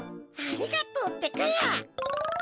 ありがとうってか。